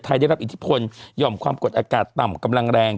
พระเทศไทยได้รับอิทธิพลยอมความกดอากาศต่ำกำลังแรง